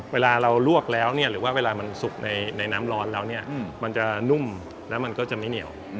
เวลาเราลวกแล้วเนี่ยหรือว่าเวลามันสุกในน้ำร้อนแล้วเนี่ยมันจะนุ่มแล้วมันก็จะไม่เหนียว